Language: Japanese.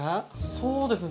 そうですね